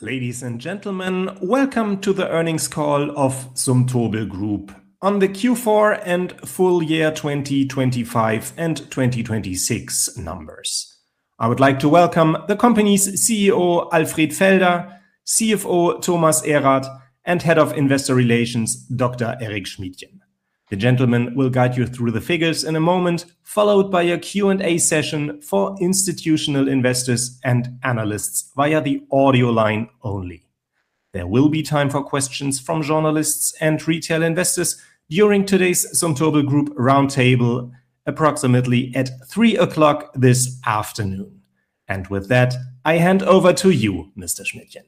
Ladies and gentlemen, welcome to the earnings call of Zumtobel Group on the Q4 and full year 2025 and 2026 numbers. I would like to welcome the company's CEO, Alfred Felder, CFO, Thomas Erath, and Head of Investor Relations, Dr. Eric Schmiedchen. The gentlemen will guide you through the figures in a moment, followed by a Q&A session for institutional investors and analysts via the audio line only. There will be time for questions from journalists and retail investors during today's Zumtobel Group Roundtable, approximately at 3:00 this afternoon. With that, I hand over to you, Mr. Schmiedchen.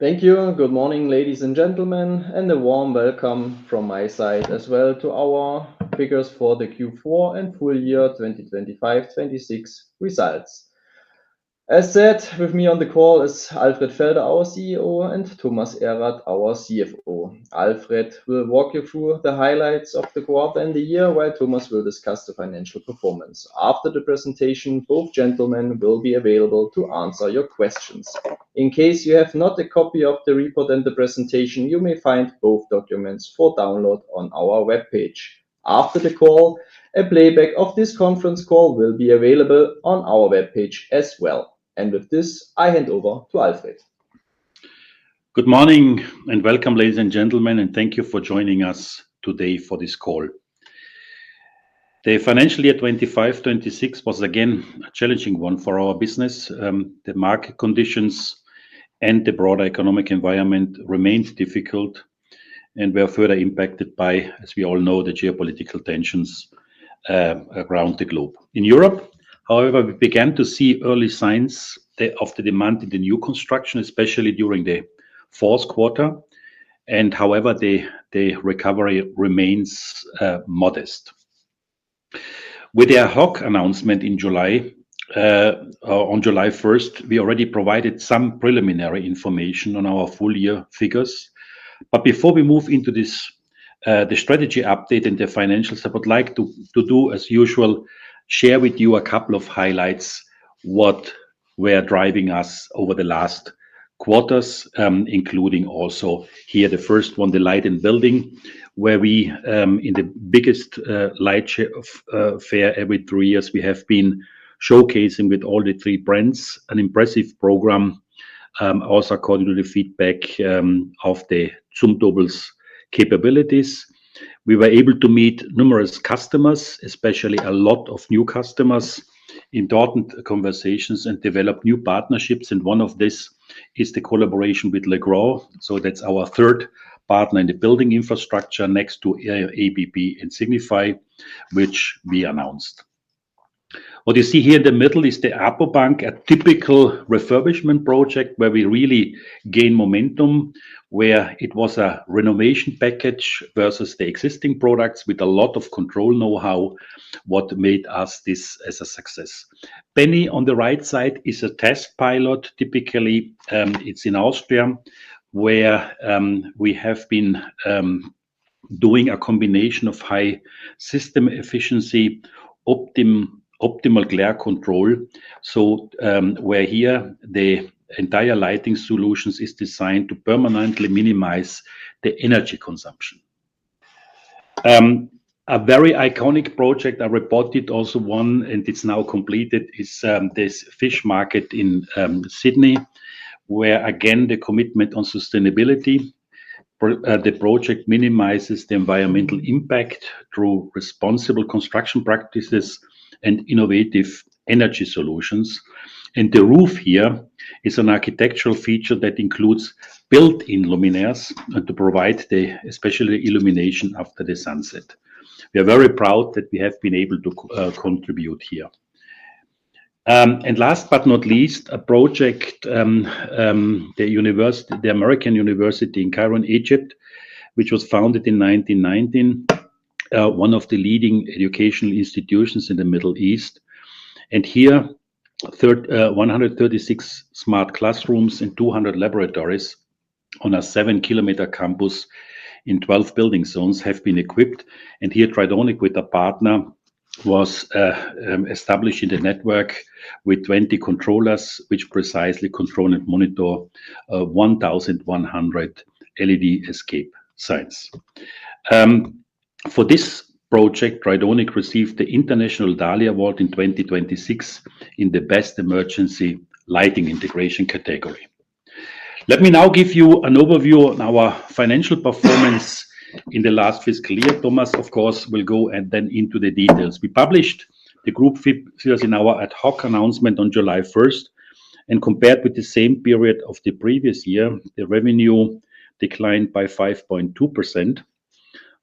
Thank you. Good morning, ladies and gentlemen, and a warm welcome from my side as well to our figures for the Q4 and full year 2025/2026 results. As said, with me on the call is Alfred Felder, our CEO, and Thomas Erath, our CFO. Alfred will walk you through the highlights of the quarter and the year, while Thomas will discuss the financial performance. After the presentation, both gentlemen will be available to answer your questions. In case you have not a copy of the report and the presentation, you may find both documents for download on our webpage. After the call, a playback of this conference call will be available on our webpage as well. With this, I hand over to Alfred. Good morning, welcome, ladies and gentlemen, and thank you for joining us today for this call. The financial year 2025/2026 was again a challenging one for our business. The market conditions and the broader economic environment remains difficult, and we are further impacted by, as we all know, the geopolitical tensions around the globe. In Europe, however, we began to see early signs of the demand in the new construction, especially during the fourth quarter, and however, the recovery remains modest. With the ad hoc announcement on July 1st, we already provided some preliminary information on our full-year figures. Before we move into the strategy update and the financials, I would like to do as usual, share with you a couple of highlights, what were driving us over the last quarters, including also here the first one, the Light + Building, where we, in the biggest light fair every three years, we have been showcasing with all the three brands an impressive program, also according to the feedback of the Zumtobel's capabilities. We were able to meet numerous customers, especially a lot of new customers, in important conversations and develop new partnerships, and one of this is the collaboration with Legrand. That's our third partner in the building infrastructure next to ABB and Signify, which we announced. What you see here in the middle is the apoBank, a typical refurbishment project where we really gained momentum, where it was a renovation package versus the existing products with a lot of control knowhow, what made us this as a success. Bene on the right side is a test pilot. Typically, it's in Austria, where we have been doing a combination of high system efficiency, optimal glare control. Where here the entire lighting solutions is designed to permanently minimize the energy consumption. A very iconic project I reported also won and it's now completed, is this fish market in Sydney, where again, the commitment on sustainability. The project minimizes the environmental impact through responsible construction practices and innovative energy solutions. The roof here is an architectural feature that includes built-in luminaires to provide the special illumination after the sunset. We are very proud that we have been able to contribute here. Last but not least, a project, the American University in Cairo, Egypt, which was founded in 1919, one of the leading educational institutions in the Middle East. Here, 136 smart classrooms and 200 laboratories on a seven-kilometer campus in 12 building zones have been equipped. Here, Tridonic with a partner was establishing the network with 20 controllers, which precisely control and monitor 1,100 LED escape signs. For this project, Tridonic received the International DALI Lighting Award in 2026 in the Best Emergency Lighting Integration category. Let me now give you an overview on our financial performance in the last fiscal year. Thomas, of course, will go and then into the details. We published the group figures in our ad hoc announcement on July 1st. Compared with the same period of the previous year, the revenue declined by 5.2%,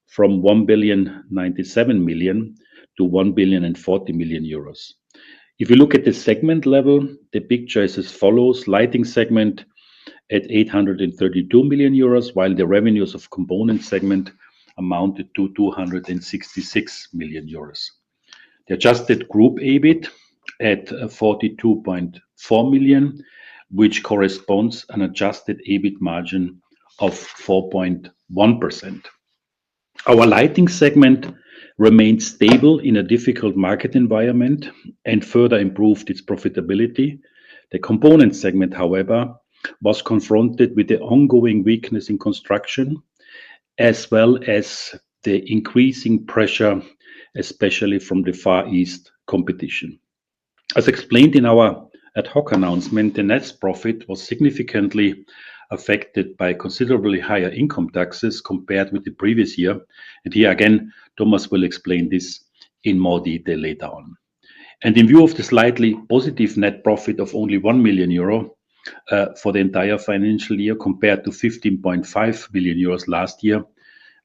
from 1,097,000,000 to 1,040,000,000 euros. If you look at the segment level, the picture is as follows. Lighting segment at 832 million euros, while the revenues of component segment amounted to 266 million euros. The adjusted group EBIT at 42.4 million, which corresponds an adjusted EBIT margin of 4.1%. Our lighting segment remains stable in a difficult market environment and further improved its profitability. The component segment, however, was confronted with the ongoing weakness in construction, as well as the increasing pressure, especially from the Far East competition. As explained in our ad hoc announcement, the net profit was significantly affected by considerably higher income taxes compared with the previous year. Here again, Thomas will explain this in more detail later on. In view of the slightly positive net profit of only 1 million euro for the entire financial year, compared to 15.5 million euros last year,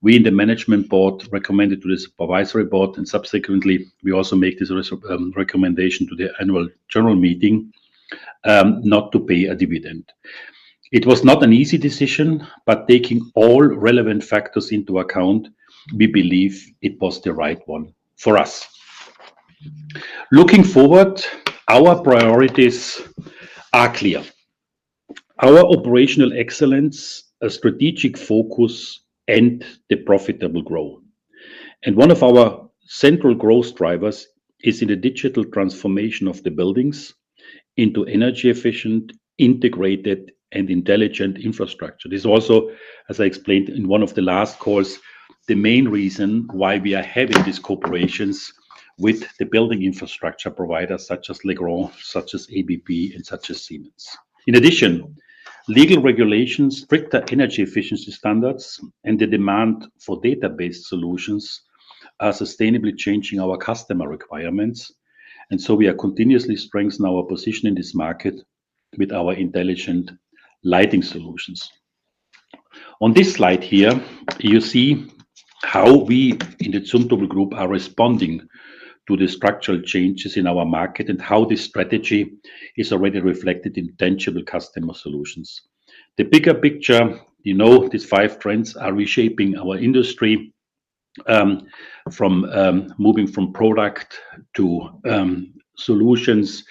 we in the management board recommended to the supervisory board. Subsequently, we also make this recommendation to the annual general meeting, not to pay a dividend. It was not an easy decision, taking all relevant factors into account, we believe it was the right one for us. Looking forward, our priorities are clear. Our operational excellence, a strategic focus, and the profitable growth. One of our central growth drivers is in the digital transformation of the buildings into energy-efficient, integrated, and intelligent infrastructure. This is also, as I explained in one of the last calls, the main reason why we are having these cooperations with the building infrastructure providers such as Legrand, such as ABB, and such as Siemens. In addition, legal regulations, stricter energy efficiency standards, and the demand for database solutions are sustainably changing our customer requirements. We are continuously strengthening our position in this market with our intelligent lighting solutions. On this slide, you see how we in the Zumtobel Group are responding to the structural changes in our market and how this strategy is already reflected in tangible customer solutions. The bigger picture, you know, these five trends are reshaping our industry, from moving from product to solutions,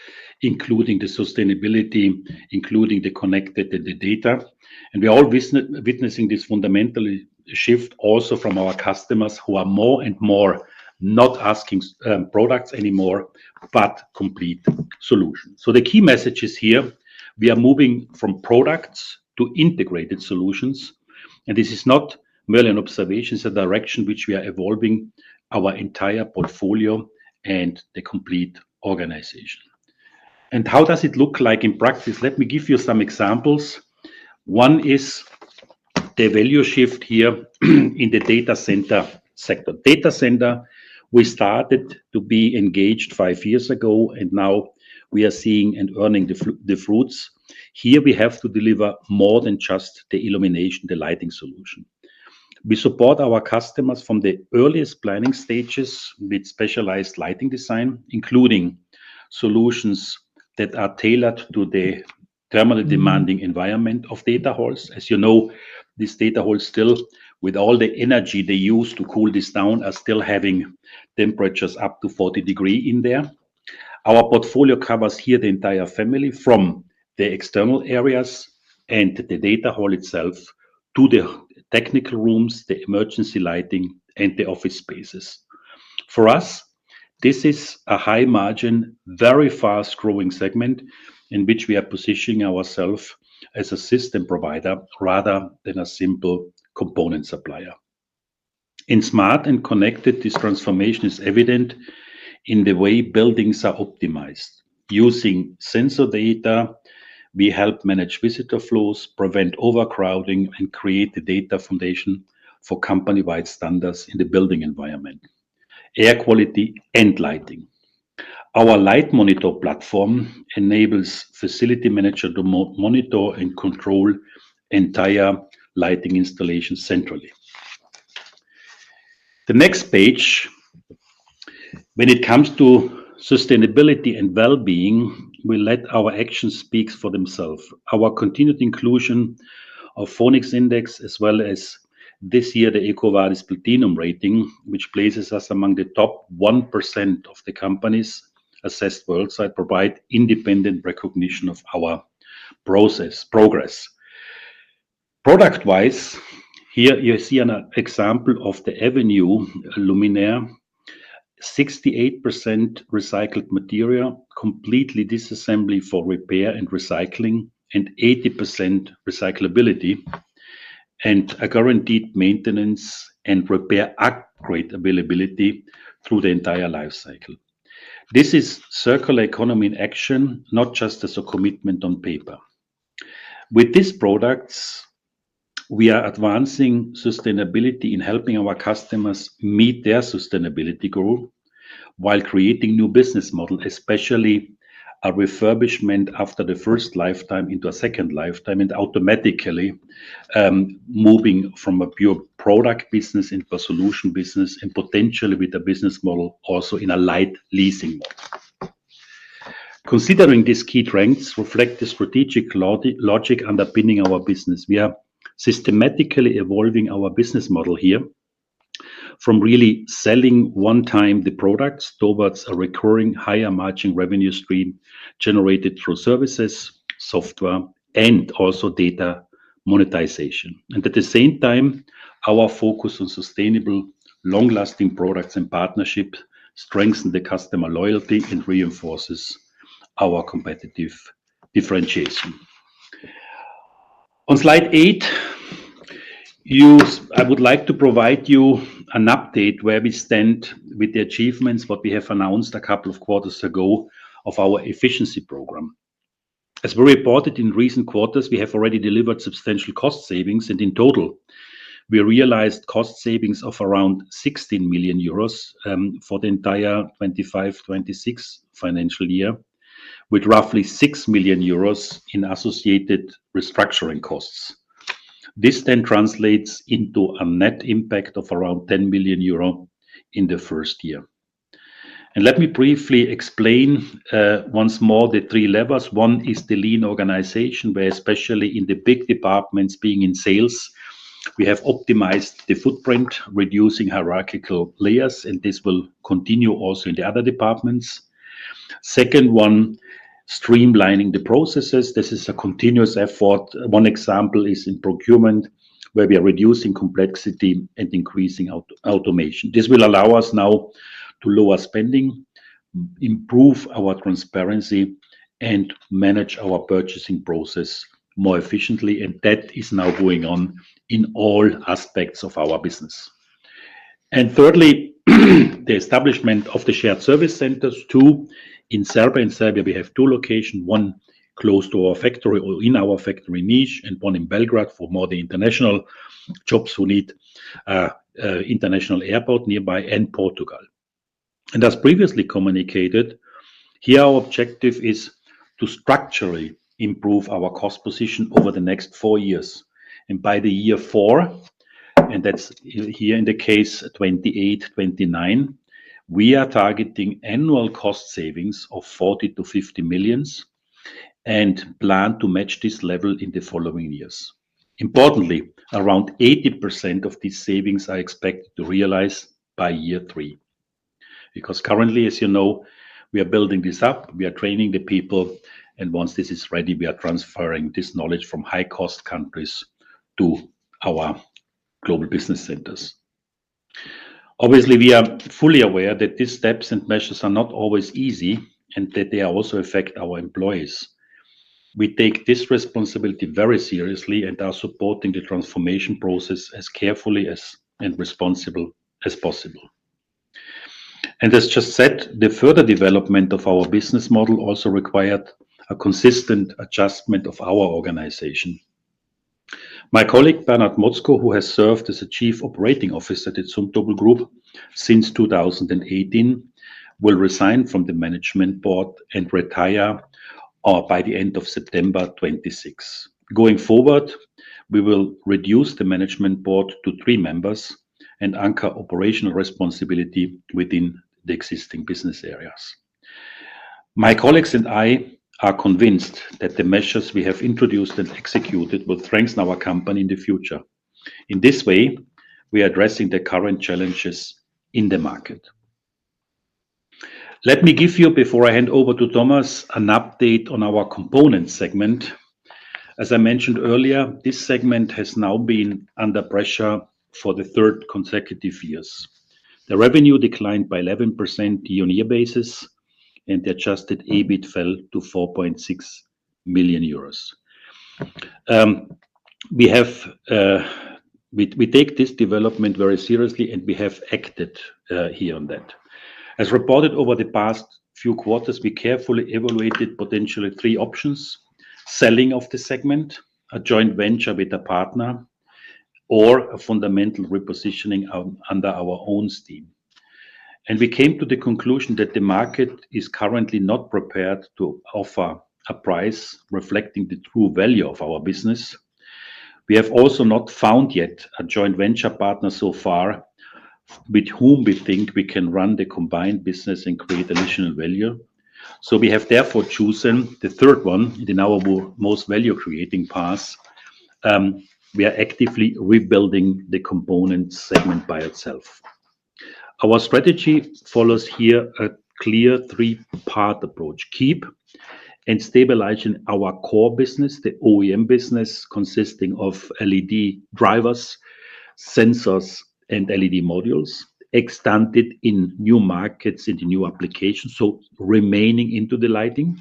including the sustainability, including the connected and the data. We are witnessing this fundamental shift also from our customers who are more and more not asking products anymore, but complete solutions. The key message is here, we are moving from products to integrated solutions, and this is not merely an observation, it's a direction which we are evolving our entire portfolio and the complete organization. How does it look like in practice? Let me give you some examples. One is the value shift here in the Data center sector. Data center, we started to be engaged five years ago, and now we are seeing and earning the fruits. Here, we have to deliver more than just the illumination, the lighting solution. We support our customers from the earliest planning stages with specialized lighting design, including solutions that are tailored to the thermally demanding environment of data halls. As you know, these data halls still, with all the energy they use to cool this down, are still having temperatures up to 40 degrees Celsius in there. Our portfolio covers here the entire family from the external areas and the data hall itself to the technical rooms, the emergency lighting, and the office spaces. For us, this is a high margin, very fast-growing segment in which we are positioning ourself as a system provider rather than a simple component supplier. In smart and connected, this transformation is evident in the way buildings are optimized. Using sensor data, we help manage visitor flows, prevent overcrowding, and create the data foundation for company-wide standards in the building environment, air quality, and lighting. Our light monitor platform enables facility manager to monitor and control entire lighting installation centrally. The next page. When it comes to sustainability and well-being, we let our actions speaks for themselves. Our continued inclusion of FTSE4Good Index as well as this year, the EcoVadis Platinum rating, which places us among the top 1% of the companies assessed worldwide, provide independent recognition of our progress. Product-wise, here you see an example of the Avenue luminaire, 68% recycled material, completely disassembly for repair and recycling, and 80% recyclability, and a guaranteed maintenance and repair upgrade availability through the entire life cycle. This is circular economy in action, not just as a commitment on paper. With these products, we are advancing sustainability in helping our customers meet their sustainability goal while creating new business model, especially a refurbishment after the first lifetime into a second lifetime. Automatically, moving from a pure product business into a solution business and potentially with a business model also in a light leasing model. Considering these key trends reflect the strategic logic underpinning our business. We are systematically evolving our business model here from really selling one time the products towards a recurring higher margin revenue stream generated through services, software, and also data monetization. At the same time, our focus on sustainable, long-lasting products and partnership strengthen the customer loyalty and reinforces our competitive differentiation. On slide eight, I would like to provide you an update where we stand with the achievements that we have announced a couple of quarters ago of our efficiency program. As we reported in recent quarters, we have already delivered substantial cost savings, and in total, we realized cost savings of around 16 million euros for the entire 2025/2026 financial year, with roughly 6 million euros in associated restructuring costs. This then translates into a net impact of around 10 million euro in the first year. Let me briefly explain once more the 3 levels. One is the lean organization, where especially in the big departments, being in sales, we have optimized the footprint, reducing hierarchical layers, and this will continue also in the other departments. Second one, streamlining the processes. This is a continuous effort. One example is in procurement, where we are reducing complexity and increasing automation. This will allow us now to lower spending, improve our transparency, and manage our purchasing process more efficiently, and that is now going on in all aspects of our business. Thirdly, the establishment of the shared service centers, too. In Serbia, we have two locations, one close to our factory, or in our factory in Niš, and one in Belgrade for more the international jobs who need international airport nearby and Portugal. As previously communicated, here our objective is to structurally improve our cost position over the next four years. By the year four, and that's here in the case, 2028/2029, we are targeting annual cost savings of 40 million-50 million and plan to match this level in the following years. Importantly, around 80% of these savings are expected to realize by year three. Because currently, as you know, we are building this up, we are training the people, and once this is ready, we are transferring this knowledge from high-cost countries to our global business centers. Obviously, we are fully aware that these steps and measures are not always easy and that they also affect our employees. We take this responsibility very seriously and are supporting the transformation process as carefully as and responsible as possible. As just said, the further development of our business model also required a consistent adjustment of our organization. My colleague, Bernard Motzko, who has served as a Chief Operating Officer at Zumtobel Group since 2018, will resign from the management board and retire by the end of September 2026. Going forward, we will reduce the management board to three members and anchor operational responsibility within the existing business areas. My colleagues and I are convinced that the measures we have introduced and executed will strengthen our company in the future. In this way, we are addressing the current challenges in the market. Let me give you, before I hand over to Thomas, an update on our components segment. As I mentioned earlier, this segment has now been under pressure for the third consecutive years. The revenue declined by 11% year-over-year basis, and the adjusted EBIT fell to 4.6 million euros. We take this development very seriously and we have acted here on that. As reported over the past few quarters, we carefully evaluated potentially three options, selling of the segment, a joint venture with a partner, or a fundamental repositioning under our own steam. We came to the conclusion that the market is currently not prepared to offer a price reflecting the true value of our business. We have also not found yet a joint venture partner so far with whom we think we can run the combined business and create additional value. We have therefore chosen the third one in our most value-creating path. We are actively rebuilding the component segment by itself. Our strategy follows here a clear three-part approach. Keep and stabilizing our core business, the OEM business consisting of LED drivers, sensors, and LED modules, extend it in new markets, in the new applications, remaining into the lighting.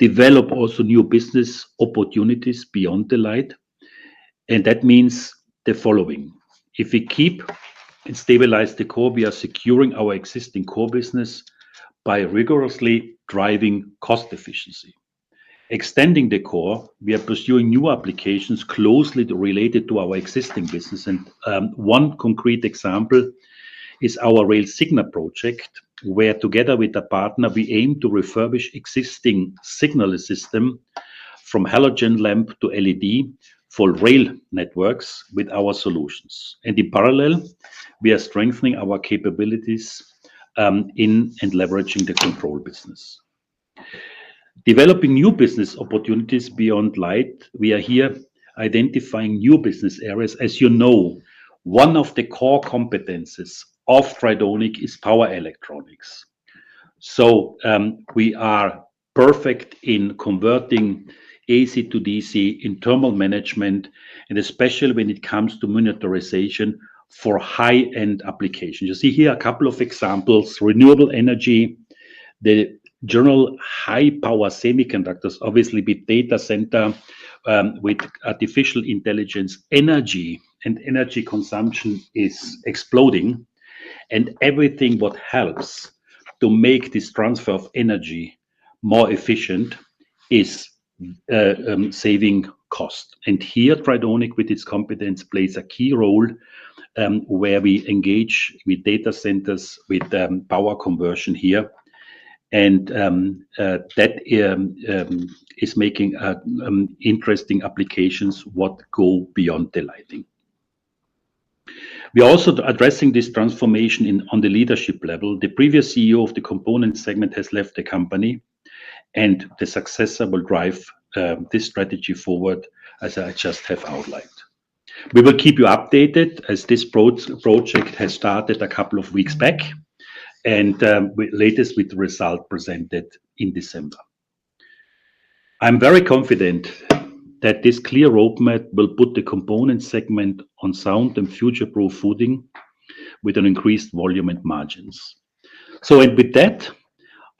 Develop also new business opportunities beyond the light, that means the following. If we keep and stabilize the core, we are securing our existing core business by rigorously driving cost efficiency. Extending the core, we are pursuing new applications closely related to our existing business. One concrete example is our rail signal project, where together with a partner, we aim to refurbish existing signal system from halogen lamp to LED for rail networks with our solutions. In parallel, we are strengthening our capabilities in and leveraging the control business. Developing new business opportunities beyond light. We are here identifying new business areas. As you know, one of the core competencies of Tridonic is power electronics. We are perfect in converting AC to DC in thermal management, and especially when it comes to miniaturization for high-end applications. You see here a couple of examples. Renewable energy, the general high-power semiconductors, obviously with data center, with artificial intelligence. Energy and energy consumption is exploding, and everything that helps to make this transfer of energy more efficient is saving cost. Here, Tridonic, with its competence, plays a key role, where we engage with data centers, with power conversion here, and that is making interesting applications what go beyond the lighting. We are also addressing this transformation on the leadership level. The previous CEO of the component segment has left the company, the successor will drive this strategy forward, as I just have outlined. We will keep you updated as this project has started a couple of weeks back, and latest with the result presented in December. I'm very confident that this clear roadmap will put the component segment on sound and future-proof footing with an increased volume and margins. With that,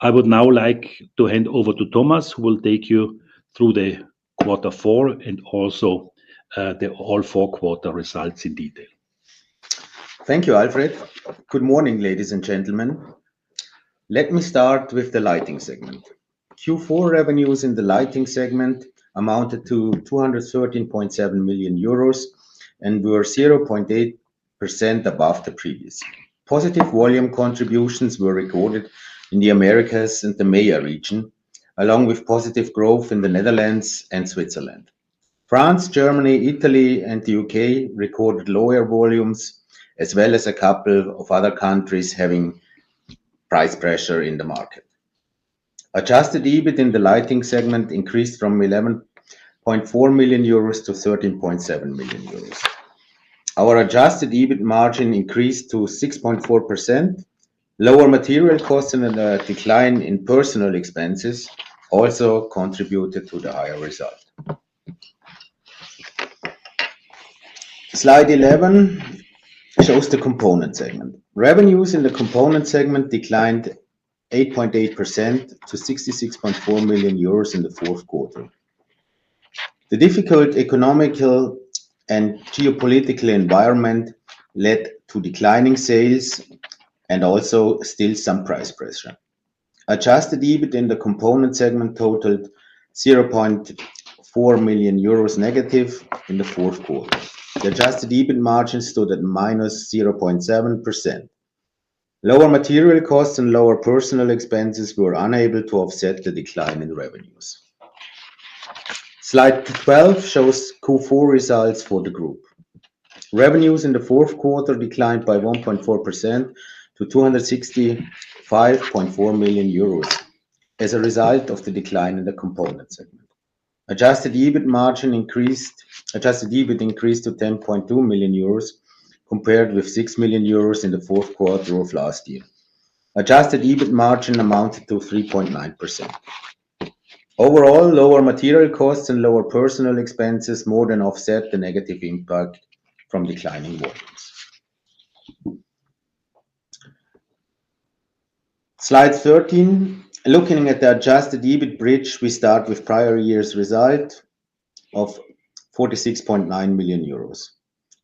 I would now like to hand over to Thomas, who will take you through the quarter four and also the all four quarter results in detail. Thank you, Alfred. Good morning, ladies and gentlemen. Let me start with the lighting segment. Q4 revenues in the lighting segment amounted to 213.7 million euros and were 0.8% above the previous. Positive volume contributions were recorded in the Americas and the MEA region, along with positive growth in the Netherlands and Switzerland. France, Germany, Italy, and the U.K. recorded lower volumes, as well as a couple of other countries having price pressure in the market. Adjusted EBIT in the lighting segment increased from 11.4 million euros to 13.7 million euros. Our adjusted EBIT margin increased to 6.4%. Lower material costs and a decline in personal expenses also contributed to the higher result. Slide 11 shows the component segment. Revenues in the component segment declined 8.8% to 66.4 million euros in the fourth quarter. The difficult economical and geopolitical environment led to declining sales and also still some price pressure. Adjusted EBIT in the component segment totaled negative 0.4 million euros in the fourth quarter. The adjusted EBIT margin stood at minus 0.7%. Lower material costs and lower personal expenses were unable to offset the decline in revenues. Slide 12 shows Q4 results for the group. Revenues in the fourth quarter declined by 1.4% to 265.4 million euros as a result of the decline in the component segment. Adjusted EBIT increased to 10.2 million euros, compared with 6 million euros in the fourth quarter of last year. Adjusted EBIT margin amounted to 3.9%. Overall, lower material costs and lower personal expenses more than offset the negative impact from declining volumes. Slide 13. Looking at the adjusted EBIT bridge, we start with prior year's result of 46.9 million euros.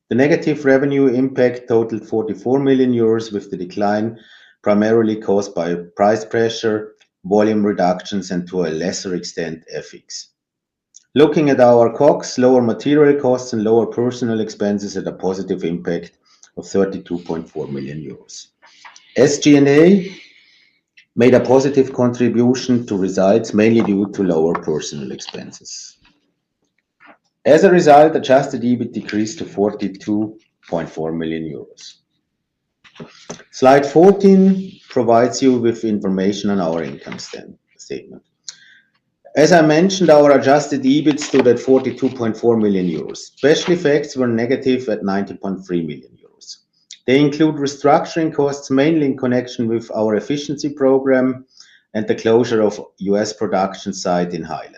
The negative revenue impact totaled 44 million euros, with the decline primarily caused by price pressure, volume reductions, and to a lesser extent, FX. Looking at our COGS, lower material costs and lower personal expenses had a positive impact of 32.4 million euros. SG&A made a positive contribution to results, mainly due to lower personal expenses. As a result, adjusted EBIT decreased to 42.4 million euros. Slide 14 provides you with information on our income statement. As I mentioned, our adjusted EBIT stood at 42.4 million euros. Special effects were negative at 90.3 million euros. They include restructuring costs, mainly in connection with our efficiency program and the closure of U.S. production site in Highland.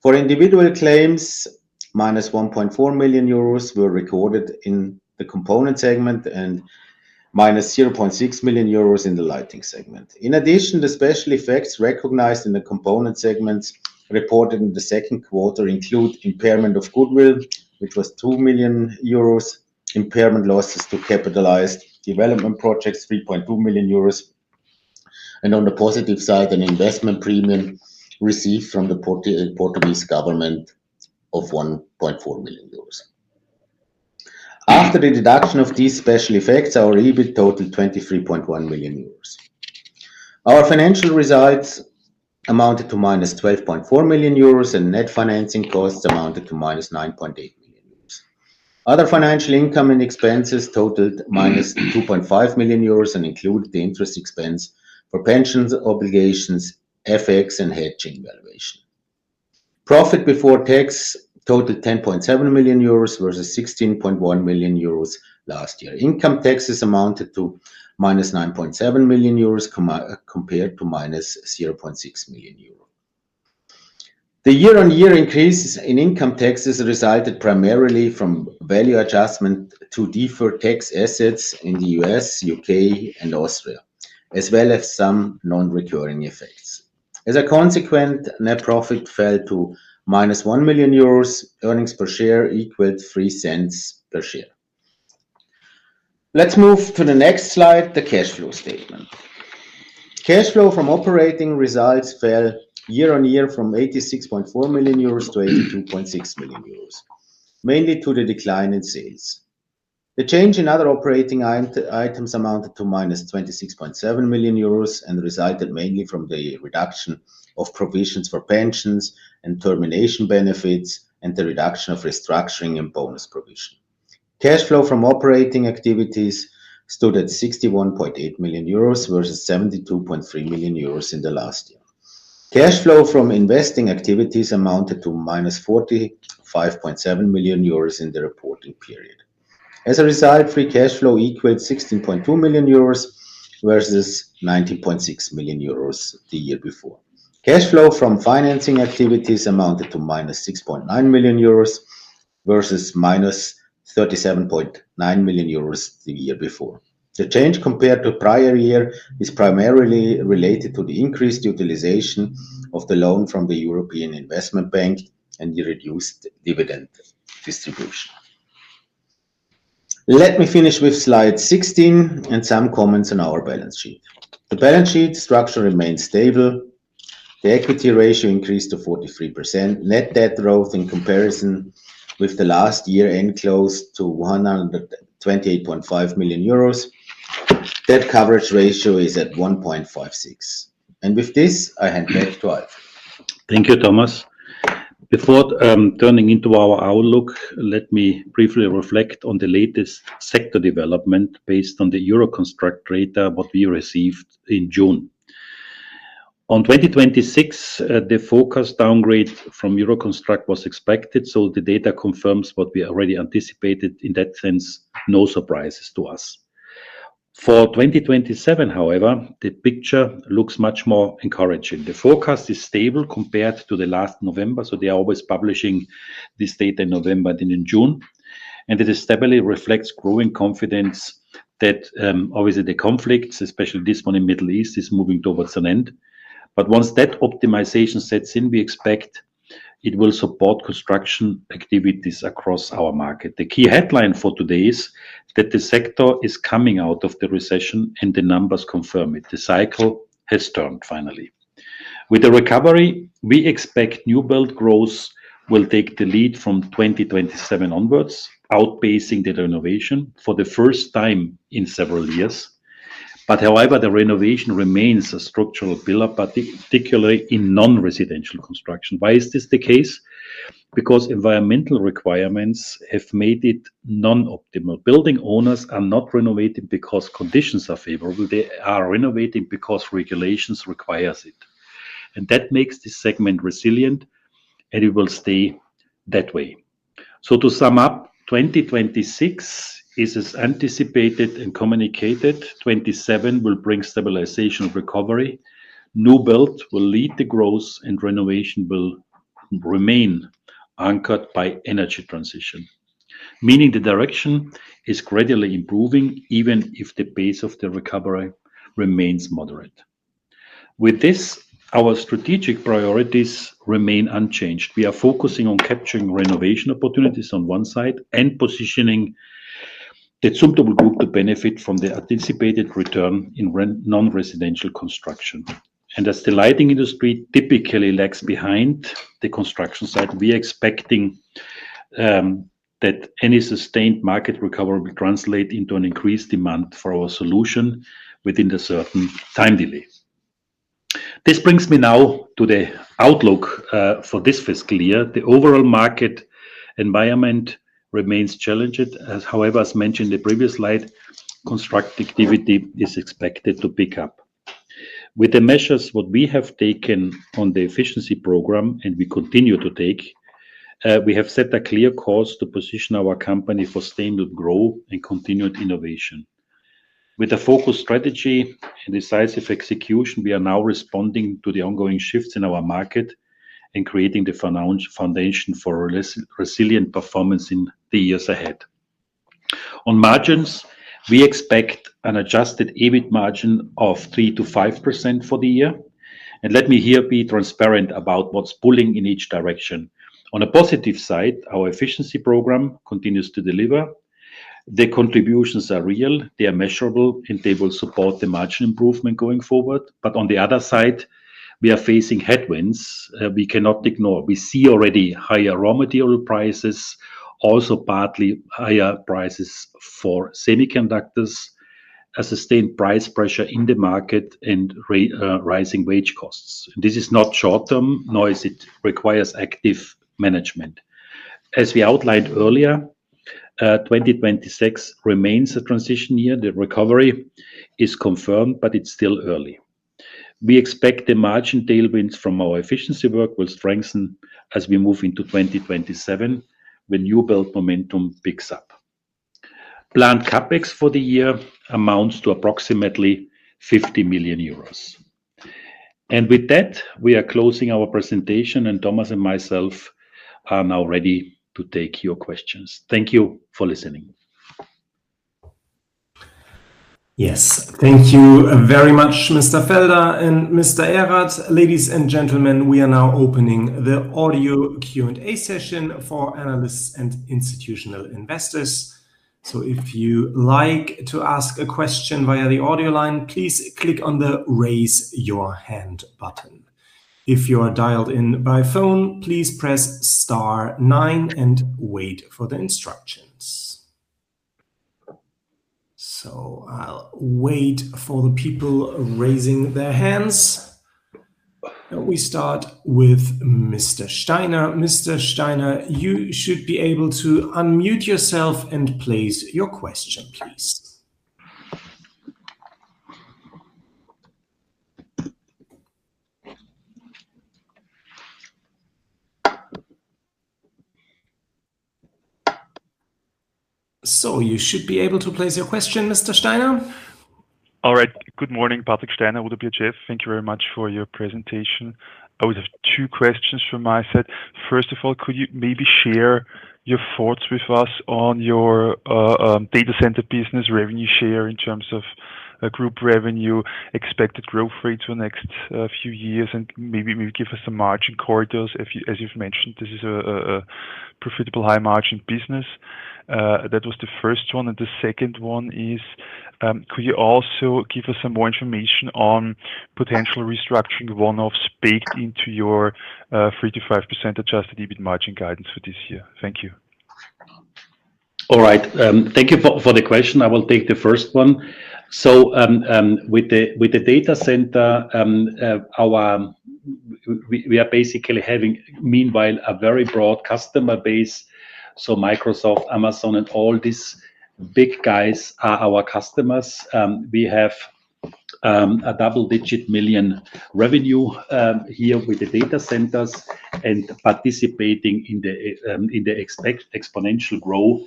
For individual claims, minus 1.4 million euros were recorded in the component segment and -0.6 million euros in the lighting segment. In addition, the special effects recognized in the component segments reported in the second quarter include impairment of goodwill, which was 2 million euros, impairment losses to capitalized development projects, 3.2 million euros, and on the positive side, an investment premium received from the Portuguese government of 1.4 million euros. After the deduction of these special effects, our EBIT totaled 23.1 million euros. Our financial results amounted to minus 12.4 million euros and net financing costs amounted to minus 9.8 million euros. Other financial income and expenses totaled -2.5 million euros and include the interest expense for pensions obligations, FX, and hedging valuation. Profit before tax totaled 10.7 million euros, versus 16.9 million euros last year. Income taxes amounted to -9.7 million euros, compared to -0.6 million euros. The year-on-year increases in income taxes resulted primarily from value adjustment to deferred tax assets in the U.S., U.K. and Austria, as well as some non-recurring effects. As a consequence, net profit fell to -1 million euros. Earnings per share equaled 0.03 per share. Let's move to the next slide, the cash flow statement. Cash flow from operating results fell year-on-year from 86.4 million-82.6 million euros, mainly due to the decline in sales. The change in other operating items amounted to minus 26.7 million euros and resulted mainly from the reduction of provisions for pensions and termination benefits, and the reduction of restructuring and bonus provision. Cash flow from operating activities stood at 61.8 million euros, versus 72.3 million euros in the last year. Cash flow from investing activities amounted to minus 45.7 million euros in the reporting period. As a result, free cash flow equaled 16.2 million euros, versus 90.6 million euros the year before. Cash flow from financing activities amounted to minus 6.9 million euros, versus minus 37.9 million euros the year before. The change compared to prior year is primarily related to the increased utilization of the loan from the European Investment Bank and the reduced dividend distribution. Let me finish with slide 16 and some comments on our balance sheet. The balance sheet structure remains stable. The equity ratio increased to 43%. Net debt growth in comparison with the last year end closed to 128.5 million euros. Debt coverage ratio is at 1.56. With this, I hand back to Alf. Thank you, Thomas. Before turning into our outlook, let me briefly reflect on the latest sector development based on the Euroconstruct data, what we received in June. On 2026, the focus downgrade from Euroconstruct was expected, so the data confirms what we already anticipated. In that sense, no surprises to us. For 2027, however, the picture looks much more encouraging. The forecast is stable compared to the last November, so they are always publishing this data in November then in June. It stably reflects growing confidence that, obviously the conflicts, especially this one in Middle East, is moving towards an end. Once that optimization sets in, we expect it will support construction activities across our market. The key headline for today is that the sector is coming out of the recession and the numbers confirm it. The cycle has turned finally. With the recovery, we expect new build growth will take the lead from 2027 onwards, outpacing the renovation for the first time in several years. However, the renovation remains a structural pillar, particularly in non-residential construction. Why is this the case? Because environmental requirements have made it non-optimal. Building owners are not renovating because conditions are favorable. They are renovating because regulations requires it. That makes this segment resilient, and it will stay that way. To sum up, 2026 is as anticipated and communicated, 2027 will bring stabilization of recovery. New build will lead the growth and renovation will remain anchored by energy transition, meaning the direction is gradually improving, even if the pace of the recovery remains moderate. With this, our strategic priorities remain unchanged. We are focusing on capturing renovation opportunities on one side and positioning the Zumtobel Group to benefit from the anticipated return in non-residential construction. As the lighting industry typically lags behind the construction side, we are expecting that any sustained market recovery will translate into an increased demand for our solution within a certain time delay. This brings me now to the outlook for this fiscal year. The overall market environment remains challenged. However, as mentioned in the previous slide, construction activity is expected to pick up. With the measures what we have taken on the efficiency program, and we continue to take, we have set a clear course to position our company for sustained growth and continued innovation. With a focused strategy and decisive execution, we are now responding to the ongoing shifts in our market and creating the foundation for a resilient performance in the years ahead. On margins, we expect an adjusted EBIT margin of 3%-5% for the year. Let me here be transparent about what's pulling in each direction. On a positive side, our efficiency program continues to deliver. The contributions are real, they are measurable, and they will support the margin improvement going forward. But on the other side, we are facing headwinds we cannot ignore. We see already higher raw material prices, also partly higher prices for semiconductors, a sustained price pressure in the market and rising wage costs. This is not short-term, nor is it requires active management. As we outlined earlier, 2026 remains a transition year. The recovery is confirmed, but it's still early. We expect the margin tailwinds from our efficiency work will strengthen as we move into 2027, when new build momentum picks up. Planned CapEx for the year amounts to approximately 50 million euros. With that, we are closing our presentation, and Thomas and myself are now ready to take your questions. Thank you for listening. Yes. Thank you very much, Mr. Felder and Mr. Erath. Ladies and gentlemen, we are now opening the audio Q&A session for analysts and institutional investors. If you like to ask a question via the audio line, please click on the Raise Your Hand button. If you are dialed in by phone, please press star nine and wait for the instructions. I will wait for the people raising their hands. We start with Mr. Steiner. Mr. Steiner, you should be able to unmute yourself and place your question, please. You should be able to place your question, Mr. Steiner. All right. Good morning, Patrick Steiner, ODDO BHF. Thank you very much for your presentation. I would have two questions from my side. First of all, could you maybe share your thoughts with us on your data center business revenue share in terms of group revenue, expected growth rate for next few years, and maybe give us some margin corridors? As you've mentioned, this is a profitable high-margin business. That was the first one. The second one is, could you also give us some more information on potential restructuring one-offs baked into your 3%-5% adjusted EBIT margin guidance for this year? Thank you. All right. Thank you for the question. I will take the first one. With the data center, we are basically having, meanwhile, a very broad customer base. Microsoft, Amazon, and all these big guys are our customers. We have a double-digit million EUR revenue here with the data centers and participating in the exponential growth.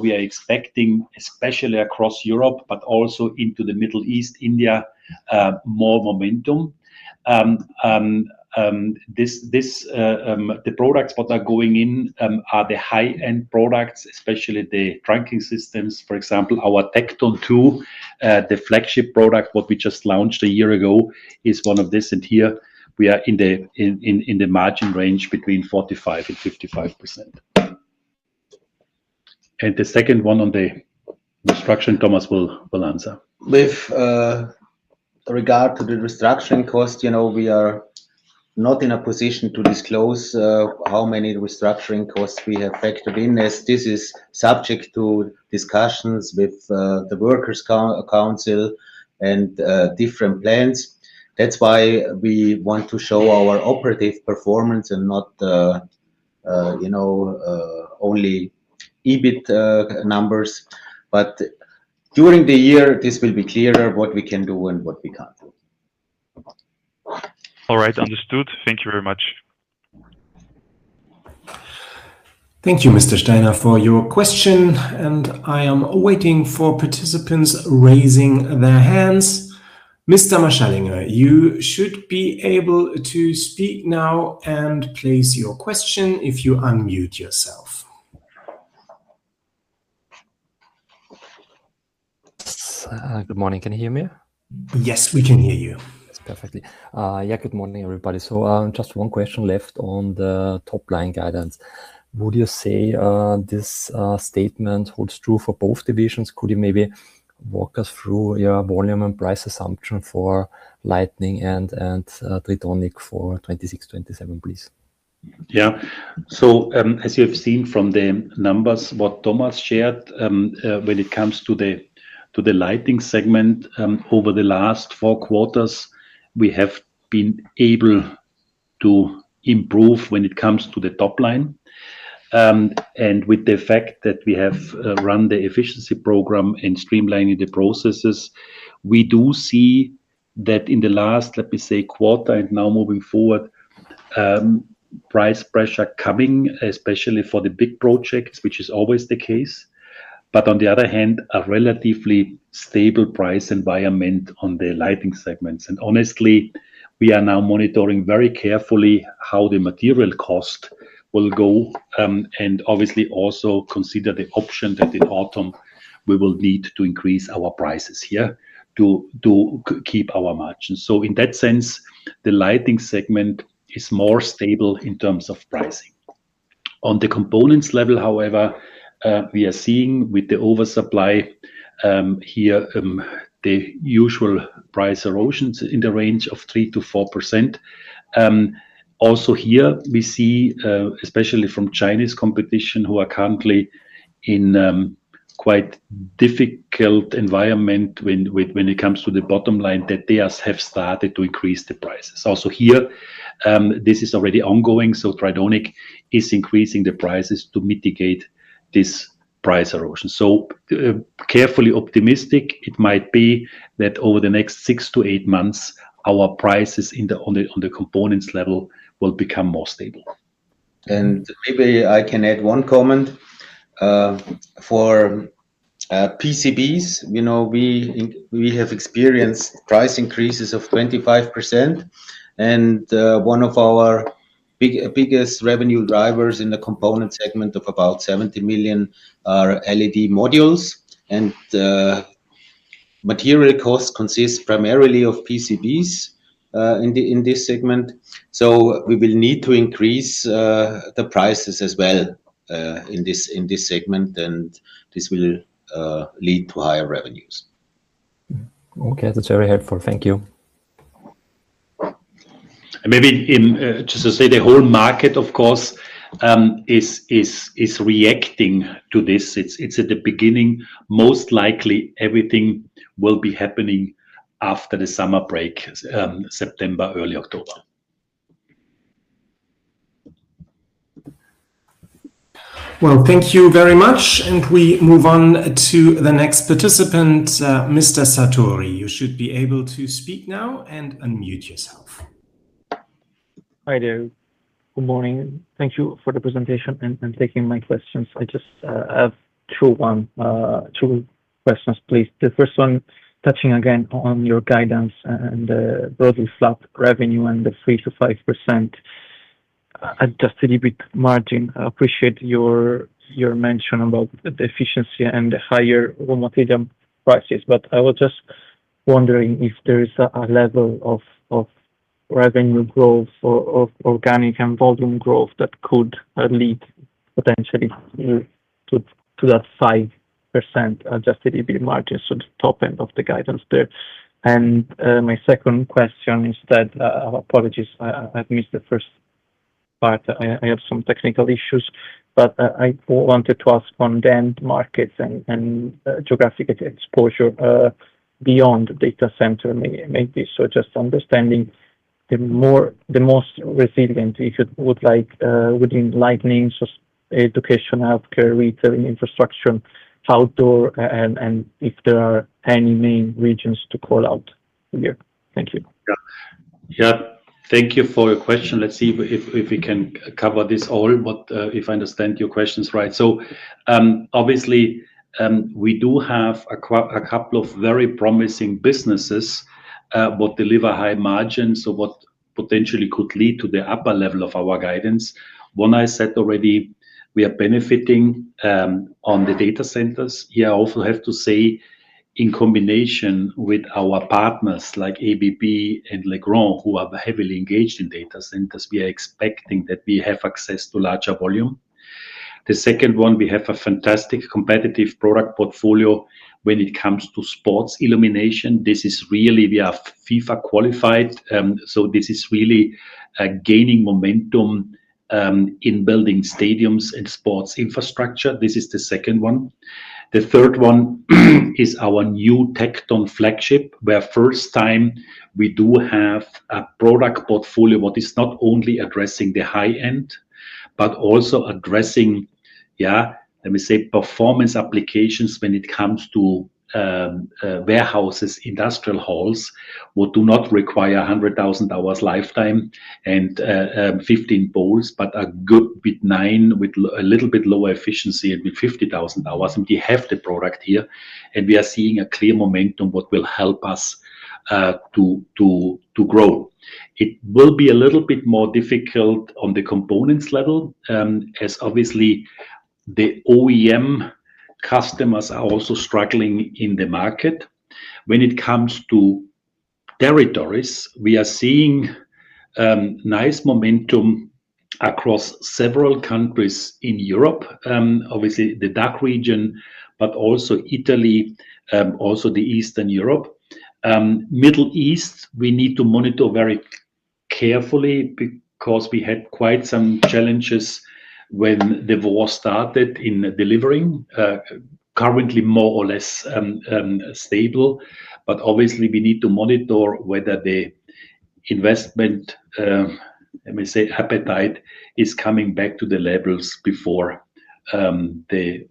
We are expecting, especially across Europe but also into the Middle East, India, more momentum. The products what are going in are the high-end products, especially the tracking systems. For example, our TECTON II, the flagship product what we just launched a year ago, is one of this in here. We are in the margin range between 45%-55%. The second one on the restructuring, Thomas will answer. With regard to the restructuring cost, we are not in a position to disclose how many restructuring costs we have factored in, as this is subject to discussions with the workers' council and different plans. That's why we want to show our operative performance and not only EBIT numbers. During the year, this will be clearer what we can do and what we can't do. All right. Understood. Thank you very much. Thank you, Mr. Steiner, for your question, and I am waiting for participants raising their hands. Mr. Marschallinger, you should be able to speak now and place your question if you unmute yourself. Good morning. Can you hear me? Yes, we can hear you. Yes, perfectly. Yeah, good morning, everybody. Just one question left on the top-line guidance. Would you say this statement holds true for both divisions? Could you maybe walk us through your volume and price assumption for Lighting and Tridonic for 2026, 2027, please? Yeah. As you have seen from the numbers what Thomas Erath shared, when it comes to the Lighting segment, over the last four quarters, we have been able to improve when it comes to the top line. With the fact that we have run the efficiency program and streamlining the processes, we do see that in the last, let me say, quarter and now moving forward, price pressure coming, especially for the big projects, which is always the case. On the other hand, a relatively stable price environment on the Lighting segment. Honestly, we are now monitoring very carefully how the material cost will go, and obviously also consider the option that in autumn we will need to increase our prices here to keep our margins. In that sense, the Lighting segment is more stable in terms of pricing. On the components level, however, we are seeing with the oversupply here the usual price erosions in the range of 3%-4%. Also here we see, especially from Chinese competition, who are currently in quite difficult environment when it comes to the bottom line that they have started to increase the prices. Also here, this is already ongoing. Tridonic is increasing the prices to mitigate this price erosion. Carefully optimistic, it might be that over the next six to eight months, our prices on the components level will become more stable. Maybe I can add one comment. For PCBs, we have experienced price increases of 25%. One of our biggest revenue drivers in the Component segment of about 70 million are LED modules. Material cost consists primarily of PCBs in this segment. We will need to increase the prices as well in this segment, and this will lead to higher revenues. Okay. That's very helpful. Thank you. Maybe just to say the whole market, of course, is reacting to this. It is at the beginning. Most likely, everything will be happening after the summer break, September, early October. Well, thank you very much. We move on to the next participant, Mr. Sartori. You should be able to speak now and unmute yourself. I do. Good morning. Thank you for the presentation and taking my questions. I just have two questions, please. The first one, touching again on your guidance and the broadly flat revenue and the 3%-5% adjusted EBIT margin. I appreciate your mention about the efficiency and the higher raw material prices, but I was just wondering if there is a level of revenue growth or of organic and volume growth that could lead potentially to that 5% adjusted EBIT margin. The top end of the guidance there. My second question is that, apologies, I have missed the first part. I have some technical issues. I wanted to ask on the end markets and geographic exposure beyond data center maybe. Just understanding the most resilient, if you would like, within lighting, education, healthcare, retail, infrastructure, outdoor, and if there are any main regions to call out here. Thank you. Yeah. Thank you for your question. Let's see if we can cover this all, but if I understand your questions right. Obviously, we do have a couple of very promising businesses, what deliver high margins. What potentially could lead to the upper level of our guidance. One, I said already, we are benefiting on the data centers. Here I also have to say, in combination with our partners like ABB and Legrand, who are heavily engaged in data centers, we are expecting that we have access to larger volume. The second one, we have a fantastic competitive product portfolio when it comes to sports illumination. This is really, we are FIFA-qualified. This is really gaining momentum in building stadiums and sports infrastructure. This is the second one. The third one is our new TECTON flagship, where first time we do have a product portfolio what is not only addressing the high-end, but also addressing, let me say, performance applications when it comes to warehouses, industrial halls, what do not require 100,000 hours lifetime and 15 poles, but a good nine with a little bit lower efficiency and with 50,000 hours. We have the product here, and we are seeing a clear momentum what will help us to grow. It will be a little bit more difficult on the components level, as obviously the OEM customers are also struggling in the market. When it comes to territories, we are seeing nice momentum across several countries in Europe. Obviously, the DACH region, but also Italy, also the Eastern Europe. Middle East, we need to monitor very carefully because we had quite some challenges when the war started in delivering. Currently, more or less stable, but obviously we need to monitor whether the investment, let me say, appetite, is coming back to the levels before the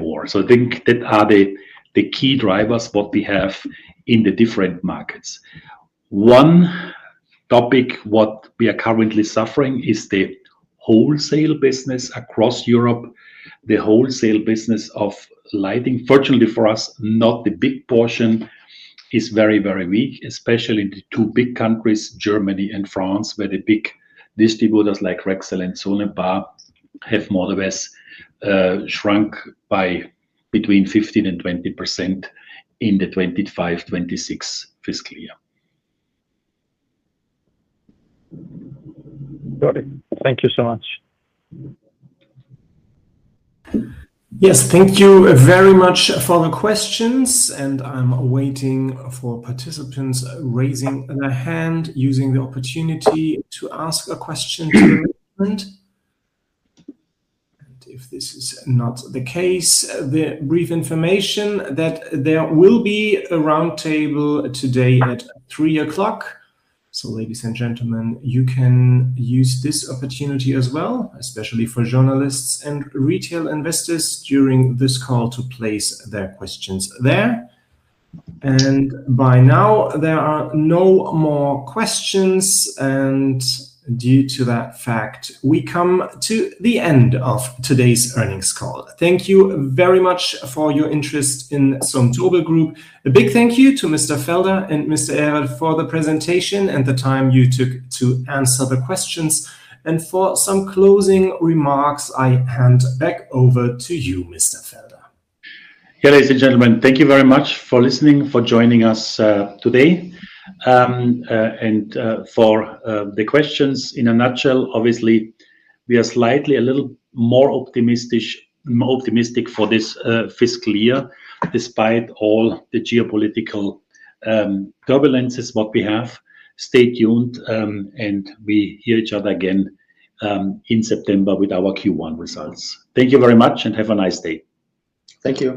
war. I think that are the key drivers what we have in the different markets. One topic what we are currently suffering is the wholesale business across Europe. The wholesale business of lighting. Fortunately for us, not the big portion is very weak, especially in the two big countries, Germany and France, where the big distributors like Rexel and Sonepar have more or less shrunk by between 15%-20% in the 2025/2026 fiscal year. Got it. Thank you so much. Yes. Thank you very much for the questions. I'm waiting for participants raising their hand, using the opportunity to ask a question to the management. If this is not the case, the brief information that there will be a round table today at 3:00 P.M. Ladies and gentlemen, you can use this opportunity as well, especially for journalists and retail investors during this call to place their questions there. By now, there are no more questions, and due to that fact, we come to the end of today's earnings call. Thank you very much for your interest in Zumtobel Group. A big thank you to Mr. Felder and Mr. Erath for the presentation and the time you took to answer the questions. For some closing remarks, I hand back over to you, Mr. Felder. Ladies and gentlemen, thank you very much for listening, for joining us today, and for the questions. In a nutshell, obviously, we are slightly a little more optimistic for this fiscal year, despite all the geopolitical turbulences what we have. Stay tuned. We hear each other again in September with our Q1 results. Thank you very much. Have a nice day. Thank you.